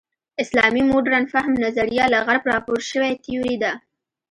اسلامي مډرن فهم نظریه له غرب راپور شوې تیوري ده.